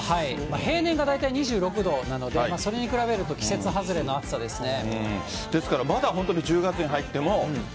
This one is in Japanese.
平年が大体２６度なので、それに比べると、季節外れの暑さですね。